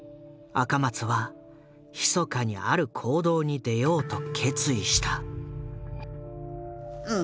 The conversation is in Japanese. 赤松はひそかにある行動に出ようと決意した。